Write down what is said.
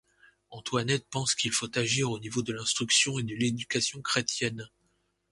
Antoinette pense qu’il faut agir au niveau de l’instruction et de l’éducation chrétienne.